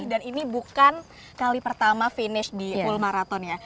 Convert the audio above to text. dan ini bukan kali pertama finish di full marathon ya